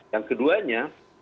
yang kedua nya